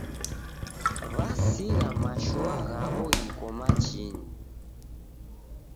W'asigha mashua ghaw'o ghiko machinyi.